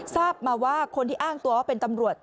ทราบมาว่าคนที่อ้างตัวว่าเป็นตำรวจ